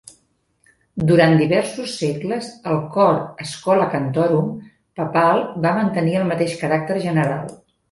Durant diversos segles, el cor "Schola Cantorum" papal va mantenir el mateix caràcter general.